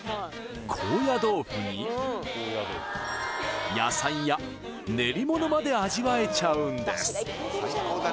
高野豆腐に野菜や練り物まで味わえちゃうんです